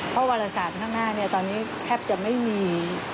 เพราะวารศาสตร์ข้างหน้าตอนนี้แทบจะไม่มี